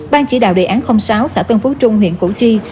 ban chỉ đạo đề án sáu xã tân phú trung huyện củ chi